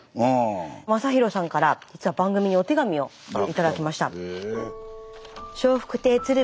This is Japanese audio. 将紘さんから実は番組にお手紙を頂きました。